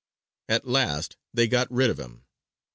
At last they got rid of him.